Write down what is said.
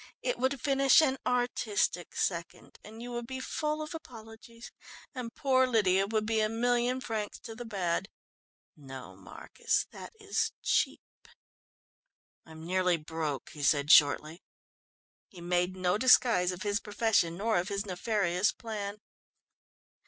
"It would finish an artistic second and you would be full of apologies, and poor Lydia would be a million francs to the bad. No, Marcus, that is cheap." "I'm nearly broke," he said shortly. He made no disguise of his profession, nor of his nefarious plan.